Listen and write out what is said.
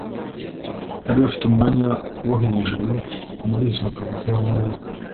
Bari bafite umwanya wo hejuru muri izo ngabo z'abamarayika;